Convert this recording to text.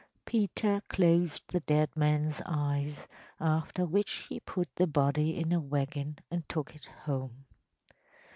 Peter closed the dead man’s eyes, after which he put the body in a wagon and took it home.